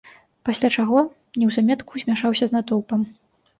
Пасля чаго неўзаметку змяшаўся з натоўпам.